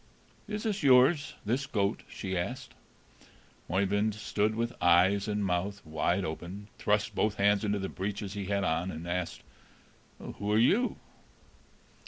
"Is it yours this goat?" she asked. Oeyvind stood with eyes and mouth wide open, thrust both hands into the breeches he had on, and asked, "Who are you?"